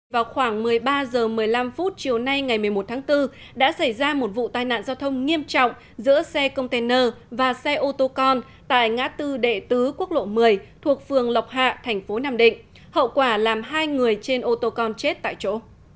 vào khoảng một mươi ba h một mươi năm chiều nay ngày một mươi một tháng bốn đã xảy ra một vụ tai nạn giao thông nghiêm trọng giữa xe container và xe autocon tại ngã tư đệ tứ quốc lộ một mươi thuộc phường lọc hạ thành phố nam định hậu quả làm hai người trên autocon chết tại chỗ